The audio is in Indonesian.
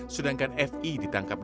sedangkan fi ditangkap di rumah